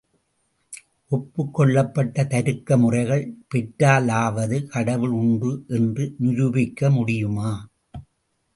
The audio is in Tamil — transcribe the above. ஒப்புக்கொள்ளப்பட்ட தருக்க முறைகள் பெற்றாலாவது கடவுள் உண்டு என்று நிரூபிக்க முடியுமா?